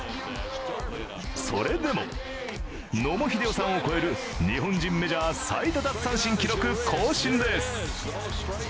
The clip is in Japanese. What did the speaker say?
それでも、野茂英雄さんを超える日本人メジャー最多奪三振記録更新です。